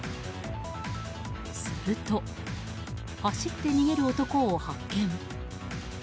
すると、走って逃げる男を発見。